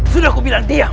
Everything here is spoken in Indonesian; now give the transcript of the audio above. sudah aku bilang diam